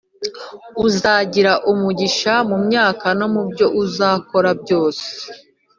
Uzagira umugisha mu myaka no mu byo uzakora byose